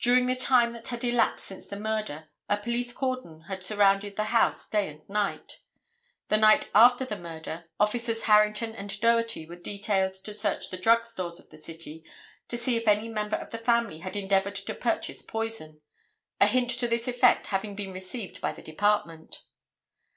During the time that had elapsed since the murder a police cordon had surrounded the house day and night. The night after the murder Officers Harrington and Doherty were detailed to search the drug stores of the city to see if any member of the family had endeavored to purchase poison, a hint to this effect having been received by the department.